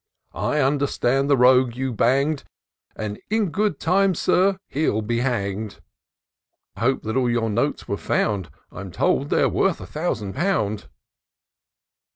I understand the rogue you bang'd. And in good time. Sir, he'll be hang'd: I hope that all your notes you've found, — I'm told they're worth a thousand pound."